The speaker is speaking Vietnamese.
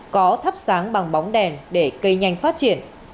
có thắp sáng bằng bóng đèn để cây nhanh phát triển